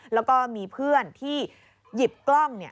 แล้วก็มีเพื่อนที่หยิบกล้อง